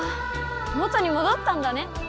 元にもどったんだね。